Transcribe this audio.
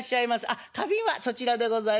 あっ花瓶はそちらでございますええ。